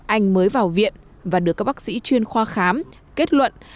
anh mới vào viện và được các bác sĩ chuyên khoa khám kết luận